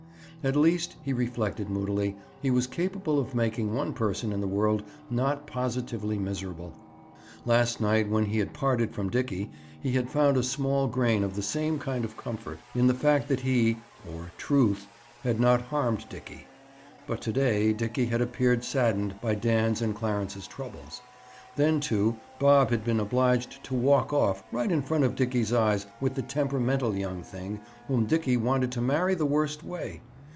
At least, he reflected moodily, he was capable of making one person in the world not positively miserable. Last night when he had parted from Dickie, he had found a small grain of the same kind of comfort, in the fact the he (or truth) had not harmed Dickie. But to day Dickie had appeared saddened by Dan's and Clarence's troubles. Then, too, Bob had been obliged to walk off, right in front of Dickie's eyes with the temperamental young thing whom Dickie wanted to marry the worst way.